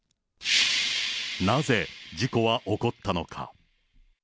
なぜ事故は起こったのか。